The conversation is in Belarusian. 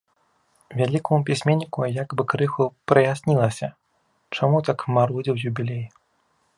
Вялікаму пісьменніку як бы крыху праяснілася, чаму так марудзіў юбілей.